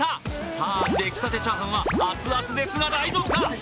さあ、できたてチャーハンは熱々ですが、大丈夫か。